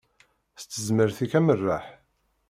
S tezmert-ik amerreḥ.